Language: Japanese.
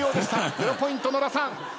０ポイント野田さん。